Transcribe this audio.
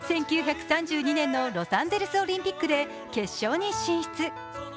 １９３２年のロサンゼルスオリンピックで決勝に進出。